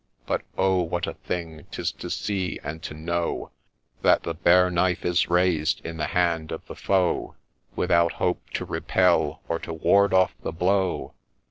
— But, oh ! what a thing 'tis to see and to know That the bare knife is raised in the hand of the foe, THE HAND OF GLOEY 29 Without hope to repel, or to ward off the blow